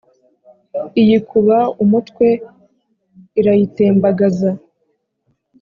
iyikuba umutwe irayitembagaza